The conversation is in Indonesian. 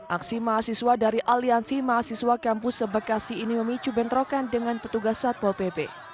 aksi mahasiswa dari aliansi mahasiswa kampus sebekasi ini memicu bentrokan dengan petugas satpol pp